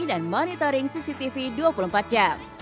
dan monitoring cctv dua puluh empat jam